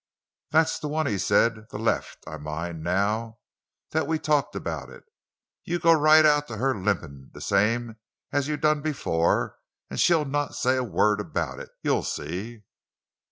"That's the one," he said; "the left. I mind, now, that we talked about it. You go right out to her, limpin', the same as you done before, an' she'll not say a word about it. You'll see."